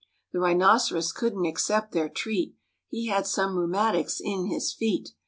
The rhinoceros couldn't accept their treat He had some rheumatics in his feet.